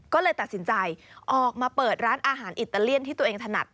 ก็เลยตัดสินใจออกมาเปิดร้านอาหารอิตาเลียนที่ตัวเองถนัด